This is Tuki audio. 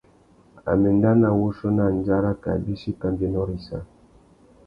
A mà enda nà wuchiô nà andjara kā bîchi kambiénô râ issa.